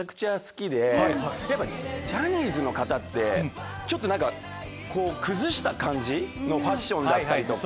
ジャニーズの方ってちょっと崩した感じのファッションだったりとか。